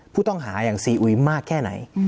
ผู้ต้องหาอย่างซีอุยมากแค่ไหน